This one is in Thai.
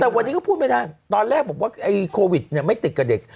แต่วันนี้ก็พูดไม่ได้ตอนแรกบอกว่าไอ้โควิดไม่ติดกับเด็ก